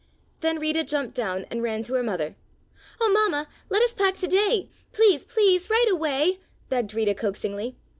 Then Rita jumped down and ran to her Mother. "Oh, Mamma, let us pack to day! Please, please, right away," begged Rita coaxingly.